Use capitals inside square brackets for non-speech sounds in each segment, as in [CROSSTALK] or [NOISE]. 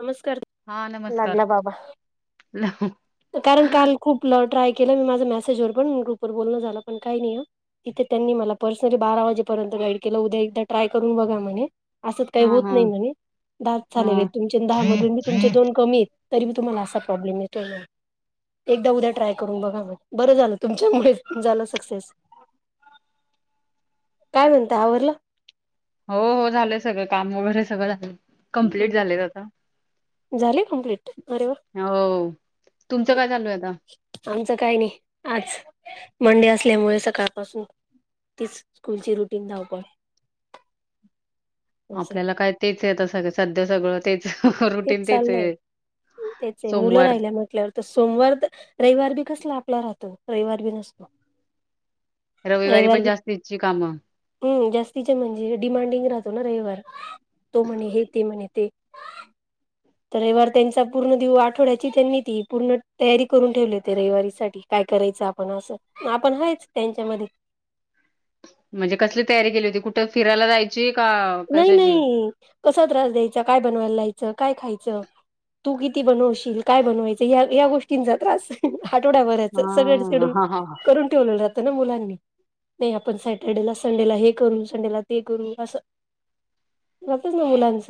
नमस्कार हा नमस्कार लागला बाबा हा कारण काल खूप ट्राय केलं मी माझं मेसेज वर पण ग्रुपवर बोलणं झालं पण काही नाही तिथे त्यांनी मला पर्सनली बारा वाजेपर्यंत गाईड केलं उद्या एकदा ट्राय करून बघा म्हणे असं काही होत हा नाही म्ह द हा झालेले तुमचे दहा मधून मी तुमचे दोन कमी तरीी तुम्हाला असा प्रॉब्लेम येतो एकदा उद्या ट्राय करून बघा म बरं झालं तुमच्यामुळे झालं सक्सेस काय म्हणत हावरलं हो हो झालंय सगळं काम वगैरे सगळं झालं कंप्लीट झालेत आता झाले कम्प्लीट अरे वा हो तुमचं काय चालू आहे आता आमचं काही नाही आज मंडे असल्यामुळे सकाळपासून तीच स्कूलची रुटीन धावपणे आपल्याला काय तेच येत सगळ सध्या सगळं तेच तेच रुटीन चाललंय आहे त्याचे मुलं सोमवार राहिल्या म्हटल्यावर तर सोमवार तर रविवार बी कसला आपला राहतो रविवार बी नसतो रविवारी पण जास्त इची कामं हम् जास्तीचे म्हणजे डिमांडिंग राहतो ना रविवार तो म्हणे हे ते म्हणे ते तर रविवार त्यांचा पूर्ण दिव आठवड्याची त्यांनी ती पूर्ण तयारी करून ठेवले होते रविवारीसाठी काय करायचं आपण असं आपण हयच त्यांच्यामध्ये म्हणजे कसली तयारी केली होती कुठं फिरायला जायची का कशाची एक कसा त्रास द्यायचा काय बनवायला लाहायचं काय खायचं तू किती बनवशील काय बनवायचं ह या गोष्टींचा त्रास आहे आठवड्या भरायचं सगळं हा झडून हा हा करून ठेव ज ना मुलांनी नाही आपण सॅटर्डेला संडेला हे करू संडेला ते करू असं जातच ना मुलांच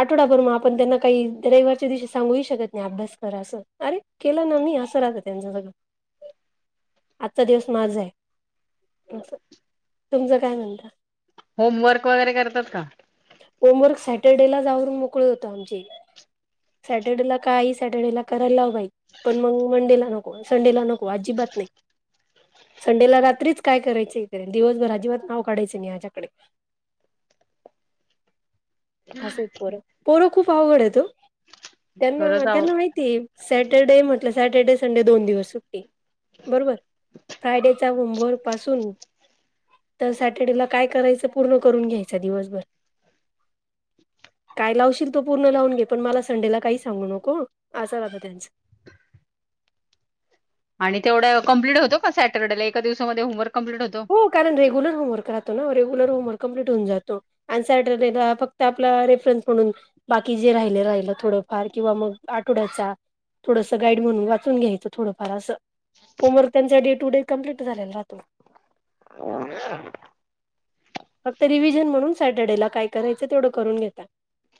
आठवडाभर मग आपण त्यांना काही रविवारच्या दिवशी सांगूही शकत नाही अभ्यास करा असं अरे केला ना मी असं राहत त्यांचं सगळं आजचा दिवस माझा आहे अस तुमचं काय म्हणत होमवर्क वगैरे करतात का होमवर्क सॅटर्डेला जाऊून मोकळ होत आमचे सॅटर्डेला का सॅटर्डेला करायला हवाई पण मग मंडेला नको संडेला नको आजीबात नाही संडेला रात्रीच काय करायचं इकडे दिवसभर अजिबात नाव काढायचं मी हझ्याकडे असं पोर पोर खूप आवड आहे तो त्यांना खरंच आहो त्यांना माहिती त सॅटरडे म्हटलं सॅटर्डे संडे दोन दिवस सुट्टी बरोबर फ्रायडेचा उंभर पासून तर सॅटर्डेला काय करायचं पूर्ण करून घ्यायच दिवसभर काय लावशील तो पूर्ण लावून घे पण मला संडेला काही सांगू नको असा आता त्यांचं आणि तेवढं कं्प्ट होत का सॅटर्डेला एका दिवसामध्ये होमवक कम्पलीट होतो हो कारण रेगुलर होमवर्क रातो ना रेगुलर होमवर्क कंप्लीट होऊ जातो अन् सॅटर्डे ला फक्त आपला रेफरन्स म्हणून. बाकी जे राहिले राहिलं थोडंफार किंवा मग आठवड्याचा थोडसं गाईड म्हणून वाचून घ्यायचं थोडंफार असं होमवर्क त्यांचा डे टू डे कम्प्लीट झालेला राहतो हो फक्त रिव्हिजन म्हणून सॅटर्डे ला काय करायचं तेवढं करून घेता.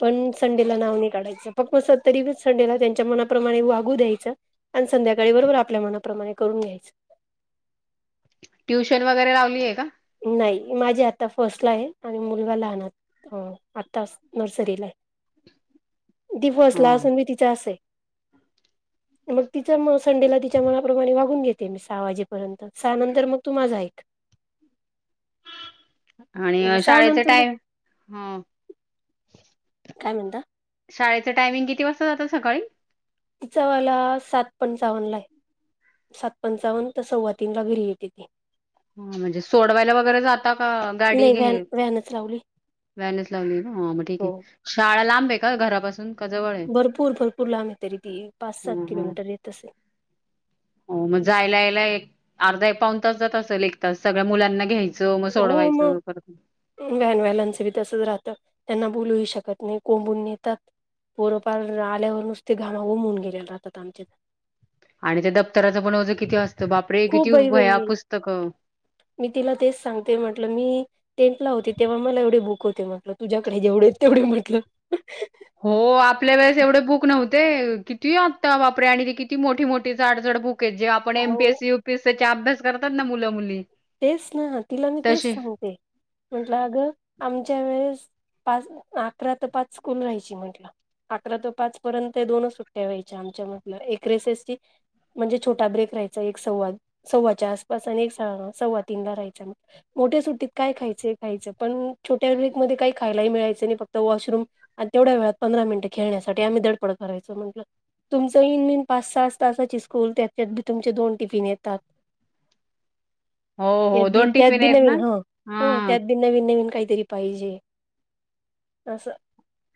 पण संडेला नाव नाही काढायचं फक् म तरी संडेला त्यांच्या मनाप्रमाणे वागू द्यायचं. आणि संध्याकाळी बरोबर आपल्या मनाप्रमाणे करून घ्यायचं. ट्युशन वगैरे लावलीय का. नाही माझी आता फर्स्टला आहे आणि मुलगा लहाना. हा आत्ताच नर्सरीला आहे. ती फर्स्ट हा ला असून बी तिचं असं आहे. मग तिच्या संडेला तिच्या मनाप्रमाणे वागून घेते मी सहा वाजेपर्यंत. [UNINTELLIGIBLE] सहानंतर मग तू माझा ऐक. आणि सहा शाळेचा नंतर मग टाइम ह [UNINTELLIGIBLE] काय म्हणता? शाळेचं टायमिंग किती वाजता जातो सकाळी? तिचा वाला सात पंचावन्न ला आहे. सात पंचावन्न तर सव्वा तीन ला घरी येते ती. हा म्हणजे सोडवायला वगैरे जाता का गाडी? वॅन वॅनच लावली. वॅनच लावली का हा मग ठीक हो आहे. शाळा लांब आहे का घरापासून? [UNINTELLIGIBLE] भरपूर भरपूर लांब, तरी ती पाच सात हा हा किलोमीटर येत असे. [UNINTELLIGIBLE] हो मग जायला यायला एक अर्धा एक पाऊन तास जात असेल एक तास सगळ्या मुलांना घ्याय [UNINTELLIGIBLE] च मग सोडवायचं परत व्हॅन वाल्यांचा ब तसंच राहत त्यांना बोलूही शकत नाही कोंबून नेतात. [UNINTELLIGIBLE] पोरं पार आल्यावर नुसती घामाघूम होऊन गेलेले राहतात आमच्या [UNINTELLIGIBLE] आणि ते दप्तराचं पण ओझं किती असतं बापरे खूप किती बाई बाई वह्या बाई पुस्तकं. [UNINTELLIGIBLE] मी तिला तेच सांगते म्हटलं मी टेंथ ला होती तेव्हा मला एवढे बुक होते म्हटलं तुझ्याकडे जेवढेत तेवढे म्हटलं. [UNINTELLIGIBLE] हो आपल्या वेळेस एवढे बुक नव्ह ते किती आत्ता बापरे आणि ते किती मोठी मोठी जाड जाड बुक आहेत जे आपण अहो एमपीएसी युपीएसी ते अभ्यास करतात ना मुलं मुली. तेच ना तिला मी तेच तसे सांगते. म्हंटलं अगं आमच्या वेळेस पाच अकरा ते पाच स्कूल राहायची म्हंटलं. [UNINTELLIGIBLE] अकरा ते पाच पर्यंत दोनच सुट्ट्या व्हायच्या आमच्या म्हटलं एक रिसेसची. [UNINTELLIGIBLE] म्हणजे छोटा ब्रेक राहायचा एक सव्वा सव्वाच्या आसपास आणि एक सव्वा तीनला रहायचा मग. मोठ्या सुट्टीत काय खायचं खायचं पण छोट्या ब्रेकमध्येध्ये काही खायलाही मिळायचं नाही फक्त वॉशरूम. आणि तेवढ्या वेळात पंधरा मिनिटं खेळण्यासाठी आम्ही धडपड करायचो म्हंटलं. [UNINTELLIGIBLE] तुमचं इन बीन पाच सहा तासाची स्कूल त्याच्यात बी तुमचे दोन टिफिन येतात. [UNINTELLIGIBLE] हो त्या हो बी दोन त्यात टिफिन बी आहेत ना नवीन हा हा त्यात बी नवीन नवीन काहीतरी पाहिजे असं [UNINTELLIGIBLE]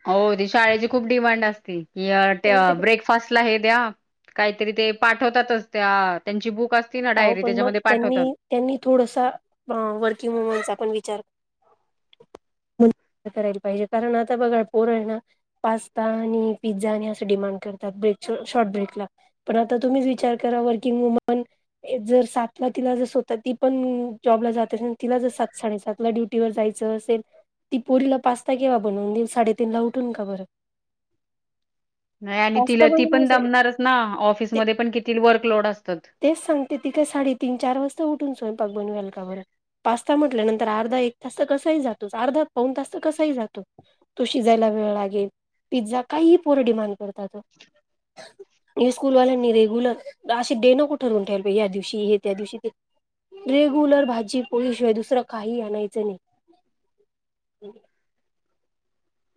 हो ते शाळेची खूप डिमांड असते कि य त्या त्यांच्या ब्रेक. [UNINTELLIGIBLE] फर्स्टला हे द्या काहीतरी ते पाठवतातच त्या त्यांची बुक आ [UNINTELLIGIBLE] तीन अहो डायरी पण मग त्याच्यामध्ये त्यांनी पाठवतात. त्यांनी थोडसा आ वर्किंग वुमनचा पण विचार [UNINTELLIGIBLE] [UNINTELLIGIBLE] करायला पाहिजे कारण आता बघा पोर आहे ना [UNINTELLIGIBLE] पास्ता आणि पिझ्झा आणि असं डिमांड करतात ब्रेक शॉर्ट ब्रेकला. [UNINTELLIGIBLE] पण आता तुम्हीच विचार करा वर्किंग वुमन. जर सातला तिला ज स्वत ती पण जॉबला जाते अस [UNINTELLIGIBLE] तिला जर सात साडेसात [UNINTELLIGIBLE] तुला ड्युटीवर जायचं असेल ती पोरीला पास्ता केेवा बनून साडेतीन ला उठून का बरं [UNINTELLIGIBLE] नाही आणि पास्ता तिला ती पण बनवण्यासाठी दमणारच ना ऑफिसमध्ये पण किती वर्कलोड असतात. [UNINTELLIGIBLE] तेच सांगते ती काय साडे तीन चार वाजता उठून स्वयंपाक बनवेल का बरं. [UNINTELLIGIBLE] पास्ता म्हटल्यानंतर अर्धा एक तास तर कसाही जातो अर्धा पाऊन तास तर कसाही जातो. [UNINTELLIGIBLE] तो शिजायला वेळ लागेल पिझ्झा काही पोर डिमांड कर [UNINTELLIGIBLE] हे स्कूल वाल्यांनी रेग्युलर अशे डे नको ठरवून ठेवा [UNINTELLIGIBLE] या दिवशी हे त्या दिवशी ते रेग्युलर भाजी पोळीशिवाय दुसरं काही आणायचं नाही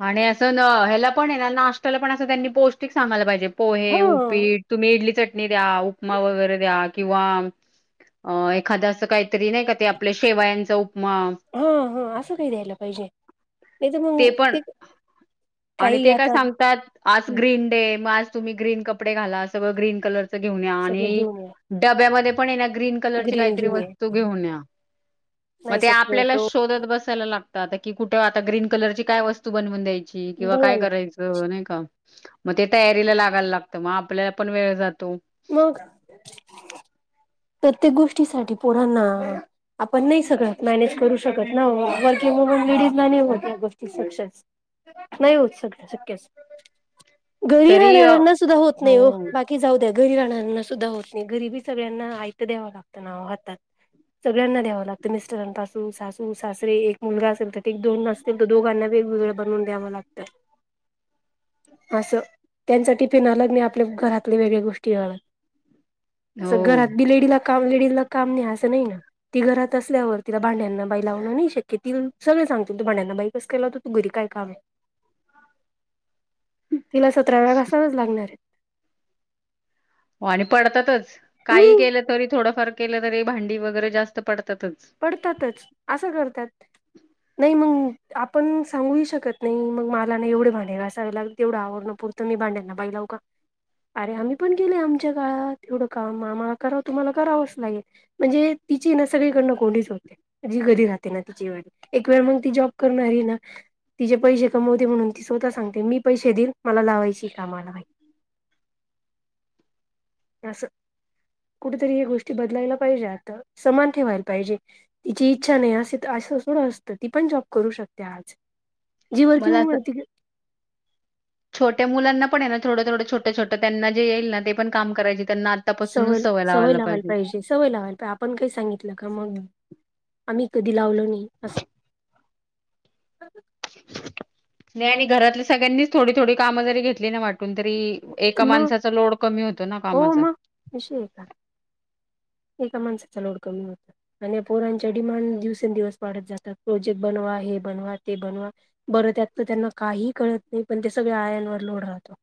आणि असं न ह्याला पण आहे ना नाष्टाला पण असं त्यांनी पौष्टिक सांगाला पाहिजे [UNINTELLIGIBLE] पोहे हा उपीट तुम्ही इडली चटणी द्या उपमा वगैरे द्या किंवा [UNINTELLIGIBLE] अ एखादं असं काहीतरी नाही का ते आपल्या शेवायांचा उपमा [UNINTELLIGIBLE] ह ह असं काही द्यायला पाहिजे नाही तर ते मग पण आणि काही ते काय आता सांगतात [UNINTELLIGIBLE] आज ग्रीन डे मग आज तुम्ही ग्रीन कपडे घाला सगळं ग्रीन कलरच घेऊन या सगळे आणि घेऊन या [UNINTELLIGIBLE] डब्यामध्ये पण हेना ग्रीन कलर ची ग्रीन काहीतरी घेऊन या वस्तू घेऊन या मग नाही ते शक्य आपल्याला होतो शोधत बसायला लाग [UNINTELLIGIBLE] आता कि कुठे आता ग्रीन कलरची काय वस्तू बनवून द्यायची किंवा बघा काय ना करायच [UNINTELLIGIBLE] नाही का मग ते तयारीला लागायला लागतं मग आपल्याला पण वेळ जातो [UNINTELLIGIBLE] मग प्रत्येक गोष्टीसाठी पुरांना [UNINTELLIGIBLE] आपण नाही सगळं मॅनेज करू शकत ना वर्किंग वुमन [UNINTELLIGIBLE] लेडीज म नाही होत्या गोष्टी सक्सेस नाही होतग शक [UNINTELLIGIBLE] घरी तरी अ, राहणाऱ्यांना सुद्धा होत नाही हो बाकी की जाऊ द्या घरी राहणाऱ्याना सुद्धा होत नाही घरीबी सगळ्यांना आयत द्यावं लागतं ना हातात [UNINTELLIGIBLE] सगळ्यांना द्यावं लागतं मिस्टरन तासू सासू सासरे एक मुलगा असेल तर एक दोन न [UNINTELLIGIBLE] तर दोघांना वेगवेगळ बनवून द्यावं लागतं असं त्याचा टिफीन अलग नाही आपल्या घरातले वेगळ्या गो [UNINTELLIGIBLE] [UNINTELLIGIBLE] केवळ [UNINTELLIGIBLE] हो असं घरात बी लेडीला काम लेडीजला काम नाही असं नाही ना [UNINTELLIGIBLE] ती घरात असल्यावर तिला भांड्यांना बाई लावणं नाही शक्य ती सगळे सांगतील तू भांड्यांना बाई कस केला हो [UNINTELLIGIBLE] तू घरी काय काम आहे तिला सतरा वेळा गासायलाच लागणार आहे [UNINTELLIGIBLE] हो आणि पडतातच काही हम्म केलं तरी थोडंफार केलं तरी भांडी वगैरे जास्त पडतातच पडतातच असं करतात नाही मग आपण सांगूही शकत नाही मग मला नाही एवढे भांडी गासवी लागत तेवढं आवरण पुर तुम्ही भाड्याना बाई लाऊ का अरे आम्ही पण केलय आमच्या काळात एवढं काम आम्हाला करावं तुम्हाला करावंच लागेल [UNINTELLIGIBLE] म्हणजे तिची ना सगळीकडण कोडीच होते जी घरी राहते ना तिची वेळ एक वेळ म ती जॉब करणारी ना [UNINTELLIGIBLE] तिचे पैसे कमवते म्हणून ती स्वतः सांगते मी पैसे देईन मला लावायची कामाला माहिती [UNINTELLIGIBLE] असं कुठेतरी हे गोष्टी बदलायला पाहिजे आता समान ठेवायला पाहिजे [UNINTELLIGIBLE] तिची इच्छा नाही अस असं सोडं असतं ती पण जॉब करू शकते आज [UNINTELLIGIBLE] जी मला वर्किंग अस [UNINTELLIGIBLE] छोट्या मुलांना पण आहे ना थोडं थोडं छोटं छोटं त्यांना जे येईल ते पण काम करायचे त्यांना सवय सवय लावायला पाहिजे सवय लावायला आपण काही सांगितलं का मग आम्ही कधी लावल नाही अस नाही आणि घरातल्या सगळ्यांनीच थोडी थोडी कामं जरी घेतली ना वाटून तरी एका मग माणसाचा लोड कमी होतो ना कामाचा ऐका माणसाचा लोड कमी होत आणि पोरांच्या डिमाांड दिवसेंदिवस वाढत जातात प्रोजेक्ट बनवा हे बनवा ते बनवा बरं त्यातल त्यांना काही कळत नाही पण ते सगळ आयांनवर लोड राहतो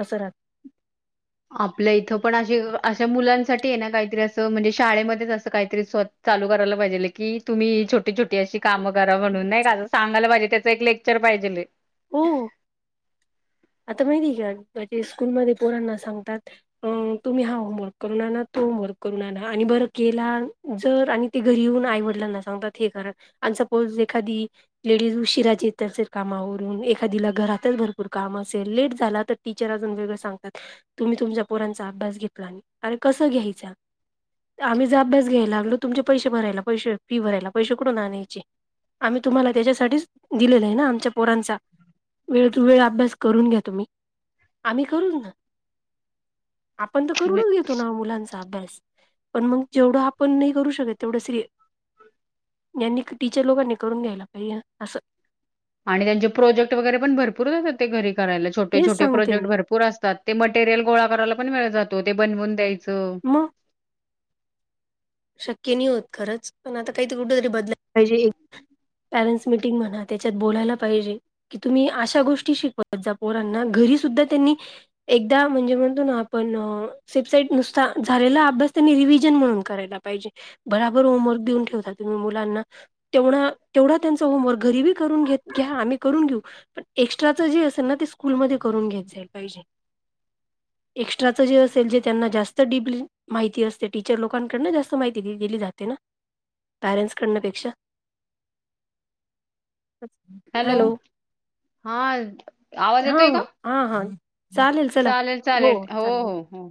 असं राहतं आपलं इथं पण अे अशा मुलांसाठी आहे ना काहीतरी असं म्हणजे शाळेमध्येच असं काहीतरी स्व चालु करायला पाहिजे की तुम्ही छोट छोटीशी काम करा म्हणून नाही का सांगायला पाहिजे त्याचं एक लेक्चर पाहिजे हो आता माहिती आहे का म्हजे [UNINTELLIGIBLE] स्कूलमध्ये पोरांना सांगतात अ तुम्ही हा होमवर्क करुन आना तो होमवर्क करून आना आणि बरं केला जर आणि ते घरी येऊन आईवडला ना सांगतात हे कारण आणि सपोज एखादी लेडीज उशिराचे येतात [UNINTELLIGIBLE] कामावरून एखादीला घरातच भरपूर काम अस लेट झाला तर टीचर अजून वेगळं सांगतात तुम्ही तुमच्या पोरांचा अभ्यास घेतला आणि अरे कसं घ्यायचा आम्ही ज अभ्यास घ्यायला लागलो तुमचे पैसे भरायला पैसे फी भरायला पैसे कुठून आणायची आम्ही तुम्हाला त्याच्यासाठीच दिलेलं आहे ना आमच्या पोरांचा वेळ वेळ अभ्यास करून घ्या तुम्ही, आम्ही करून ना. आपण तर करूनच घेतो ना मुलांचा अभ्यास. पण मग जेवढं आपण नाही करू शकत तेवढं सर- यांनी टीचर लोकांनी करुन घ्यायला पाहिजे असं. आणि त्यांचे प्रोजेक्ट वगैरे पण भरपूर असतात ते घरी करायला तेच छोटे-छोटे सांगते प्रोजेक्ट मी. भरपूर असतात. ते मटेरियल गोळा करायला पण वेळ जातो ते बनवून द्यायचं. मग. शक्य नाही होत खरंच पण आता काहीतरी कुठ तरी बदलायला पाहिजे हे पॅरेंट्स मिटिंग म्हणा त्याच्यात बोलायला पाहिजे. की तुम्ही अशा गोष्टी शिकवत जा पोरांना घरी सुुद्धा त्यांनी एकदा म्हणजे म्हणतो ना आपण सबसेट नुसता झालेला अभ्यास त्यांनी रिव्हजन म्हणून करायला पाहिजे बराबर होमवर्क देऊन ठेवता तुम्ही मुलांना. तेवढा, तेवढा त्यांचा होमवर्क घरीबी करून घेत घ्या आम्ही करून घेऊ. एक्स्ट्राच जे असेल ना ते स्कूलमध्ये करून घेत जाईल पाहिजे. एक्स्ट्राचं जे असेल जे त्यांना जास्त डिपली माहिती असते टीचर लोकांकडन जास्त माहिती दिली जाते ना पॅरेंट्स कडण्यापेक्षा. [INAUDIBLE] हॅलो! हा आवाज हा येतोय हा का? हा हा, चालेल चला चालेल हो चालेल हो चालते. हो.